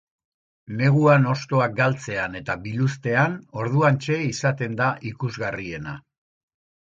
Neguan hostoak galtzean eta biluztean, orduantxe izaten da ikusgarriena.